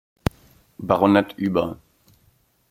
Baronet über"